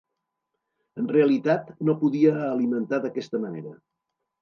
En realitat, no podia alimentar d'aquesta manera.